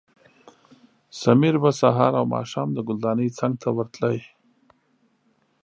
سمیر به سهار او ماښام د ګلدانۍ څنګ ته ورتلو.